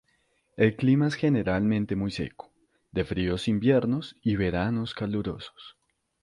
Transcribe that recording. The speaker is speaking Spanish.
El clima es generalmente muy seco, de fríos inviernos y veranos calurosos.